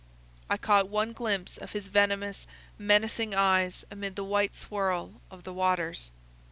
I caught one glimpse of his venomous, menacing eyes amid the white swirl of the waters.